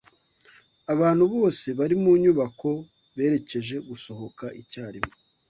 Abantu bose bari mu nyubako berekeje gusohoka icyarimwe.